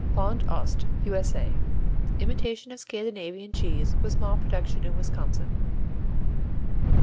Bond Ost U.S.A. Imitation of Scandinavian cheese, with small production in Wisconsin.